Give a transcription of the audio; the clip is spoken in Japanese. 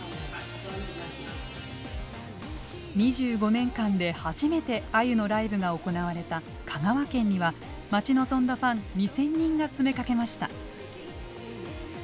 ２５年間で初めてあゆのライブが行われた香川県には待ち望んだファン２，０００人が詰めかけました。